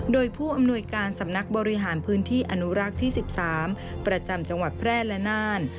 โดยผู้อำนวยการสำนักบริหารพื้นที่อนุรักษ์ที่๑๓ประจำจังหวัดแพร่และน่าน